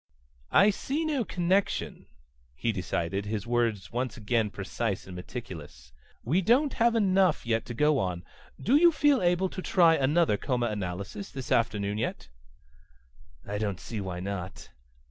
"I see no connection," he decided, his words once again precise and meticulous. "We don't have enough to go on. Do you feel able to try another comanalysis this afternoon yet?" "I don't see why not."